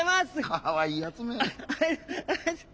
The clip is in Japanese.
かわいいやつめ。